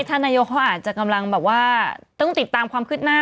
ไม่นายกเขาอาจจะกำลังต้องติดตามความขึ้นหน้า